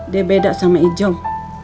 dia beda sama ijom